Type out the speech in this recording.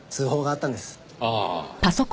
ああ。